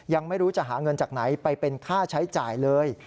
ยังไม่รู้จะหาเงินจากไหนไปเป็นค่าใช้จ่ายเลย